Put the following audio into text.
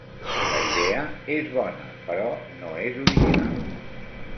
La idea és bona, però no és original.